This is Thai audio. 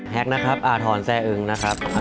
ฮักนะครับทอนแซ่อึ้งนะครับ